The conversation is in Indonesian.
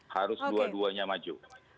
harus dua duanya maju